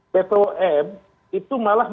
bepom itu malah menyebabkan